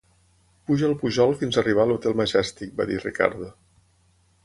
"Puja el pujol fins a arribar a l'Hotel Majestic", va dir Ricardo.